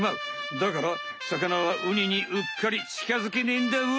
だから魚はウニにうっかり近づけねえんだわ。